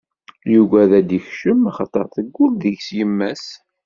Yuggad ad d-ikcem axaṭer teggull deg-s yemma-s.